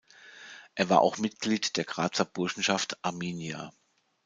Er war auch Mitglied der "Grazer Burschenschaft Arminia".